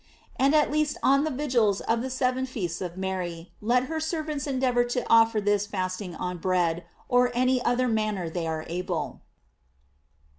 And at least on the vigils of the seven feasts of Mary, let her ser vants endeavor to offer this fasting on bread, or in any other manner they are able.